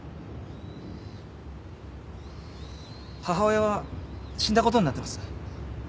母親は死んだことになってます。